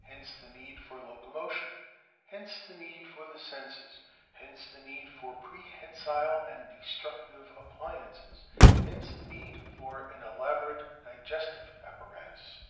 Hence the need for locomotion ; hence the need for the senses ; hence the need for prehensile and destructive appliances; hence the need for an elaborate digestive apparatus.